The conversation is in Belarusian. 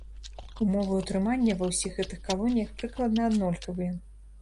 Умовы ўтрымання ва ўсіх гэтых калоніях прыкладна аднолькавыя.